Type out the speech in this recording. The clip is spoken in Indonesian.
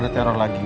ada teror lagi